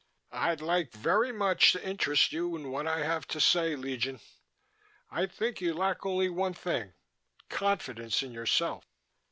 "I'd like very much to interest you in what I have to say, Legion. I think you lack only one thing confidence in yourself."